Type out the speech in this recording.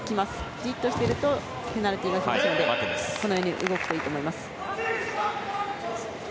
じっとしているとペナルティーですのでさっきのように動くといいと思います。